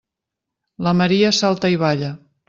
La Maria salta i balla.